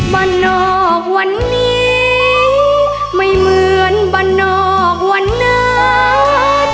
บ้านนอกวันนี้ไม่เหมือนบ้านนอกวันนั้น